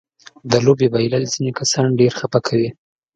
د لوبې بایلل ځينې کسان ډېر خپه کوي.